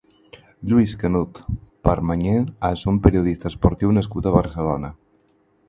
Lluís Canut Permanyer és un periodista esportiu nascut a Barcelona.